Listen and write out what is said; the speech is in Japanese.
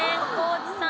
地さん